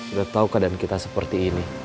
udah tau keadaan kita seperti ini